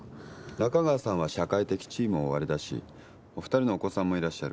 中川さんは社会的地位もおありだしお二人のお子さんもいらっしゃる。